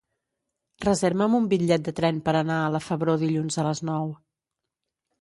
Reserva'm un bitllet de tren per anar a la Febró dilluns a les nou.